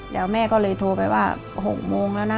แล้วแม่ก็เลยโทรไปว่า๖โมงแล้วนะ